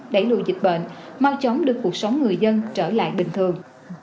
đẩy lùi dịch bệnh mau chống được cuộc sống người dân trở lại bình thường